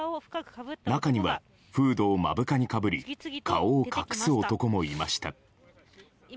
中にはフードを目深にかぶり顔を隠す男もいました。